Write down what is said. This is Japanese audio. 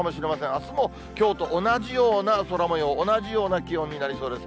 あすもきょうと同じような空もよう、同じような気温になりそうです。